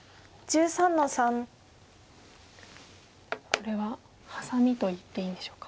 これはハサミといっていいんでしょうか。